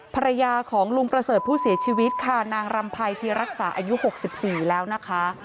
ภรรยาของลุงประเสริฐผู้เสียชีวิตค่ะนางรำภัยที่รักษาอายุ๖๔แล้วนะคะ